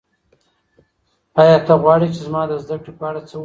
ایا ته غواړې چې زما د زده کړو په اړه څه وپوښتې؟